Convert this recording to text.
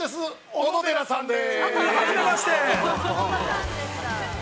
◆小野寺さんです。